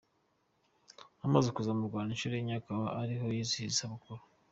Amaze kuza mu Rwanda inshuro enye akaba ariho yizihiriza isabukuru.